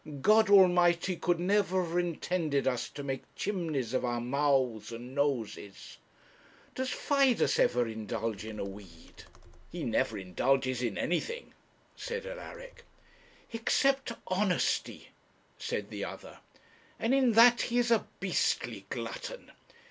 God Almighty could never have intended us to make chimneys of our mouths and noses. Does Fidus ever indulge in a weed?' 'He never indulges in anything,' said Alaric. 'Except honesty,' said the other, 'and in that he is a beastly glutton.